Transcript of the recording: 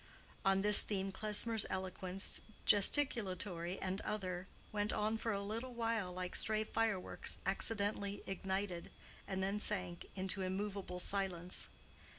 On this theme Klesmer's eloquence, gesticulatory and other, went on for a little while like stray fireworks accidentally ignited, and then sank into immovable silence.